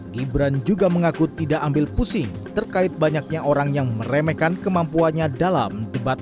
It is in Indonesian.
gibran juga mengaku tidak ambil pusing terkait banyaknya orang yang meremehkan kemampuannya dalam debat